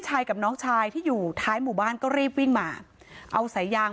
กับน้องชายที่อยู่ท้ายหมู่บ้านก็รีบวิ่งมาเอาสายยาง